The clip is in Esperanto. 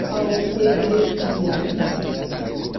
Aŭ eble io alia.